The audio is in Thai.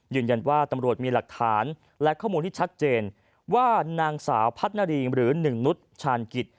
ตำรวจมีหลักฐานและข้อมูลที่ชัดเจนว่านางสาวพัฒนารีหรือหนึ่งนุษย์ชาญกิจ